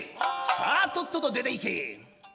さあとっとと出て行け！」。